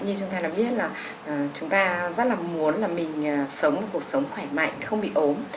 như chúng ta đã biết là chúng ta rất là muốn là mình sống một cuộc sống khỏe mạnh không bị ốm